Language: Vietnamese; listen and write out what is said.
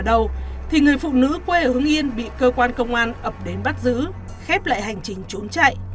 ở đâu thì người phụ nữ quê ở hưng yên bị cơ quan công an ập đến bắt giữ khép lại hành trình trốn chạy